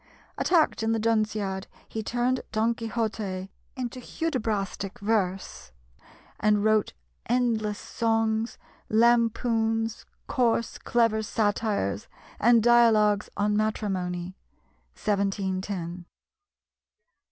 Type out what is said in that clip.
Attacked in the Dunciad, he turned Don Quixote into Hudibrastic verse, and wrote endless songs, lampoons, coarse clever satires, and Dialogues on Matrimony (1710).